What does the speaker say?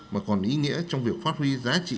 mà còn ý nghĩa trong việc phát huy giá trị